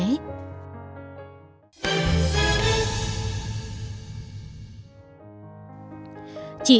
chị trần thị định